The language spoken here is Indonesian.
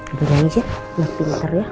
udah nangis ya udah pinter ya